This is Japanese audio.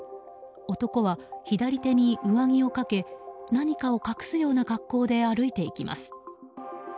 男は左手に上着をかけ何かを隠すような格好で歩いていきます。